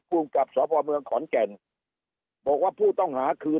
ภูมิกับสพเมืองขอนแก่นบอกว่าผู้ต้องหาคือ